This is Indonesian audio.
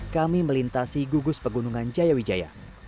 kami melintasi gugus pegunungan jayawijaya